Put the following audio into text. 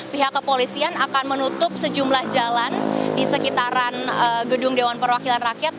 pihak kepolisian akan menutup sejumlah jalan di sekitaran gedung dewan perwakilan rakyat